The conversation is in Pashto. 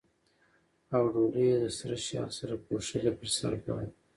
او ډولۍ یې د سره شال سره پوښلې پر سر بار وه.